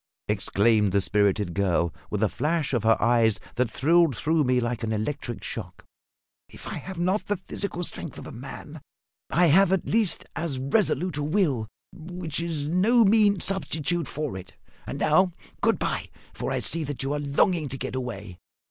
exclaimed the spirited girl, with a flash of her eyes that thrilled through me like an electric shock. "If I have not the physical strength of a man, I have at least as resolute a will, which is no mean substitute for it. And now, good bye; for I see that you are longing to get away.